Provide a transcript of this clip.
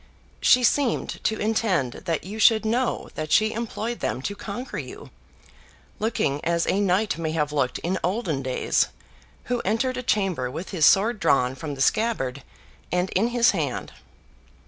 She seemed to intend that you should know that she employed them to conquer you, looking as a knight may have looked in olden days who entered a chamber with his sword drawn from the scabbard and in his hand.